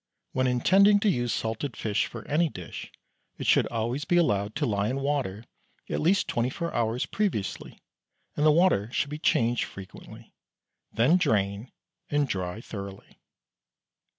When intending to use salted fish for any dish it should always be allowed to lie in water at least twenty four hours previously, and the water should be changed frequently; then drain and dry thoroughly.